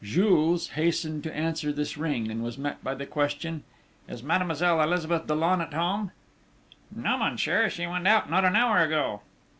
Jules hastened to answer this ring, and was met by the question: "Is Mademoiselle Elizabeth Dollon at home?" "No, monsieur. She went out not an hour ago!"